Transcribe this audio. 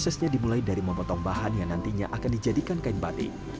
prosesnya dimulai dari memotong bahan yang nantinya akan dijadikan kain batik